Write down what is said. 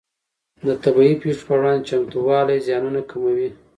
د طبیعي پېښو پر وړاندې چمتووالی زیانونه کموي.